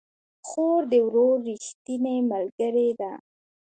خور د ورور ريښتينې ملګرې ده